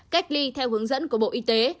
cách ly theo hướng dẫn của bộ y tế